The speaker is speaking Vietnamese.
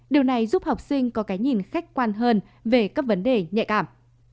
điều này giúp học sinh có cái nhìn khách quan hơn về các vấn đề nhạy cảm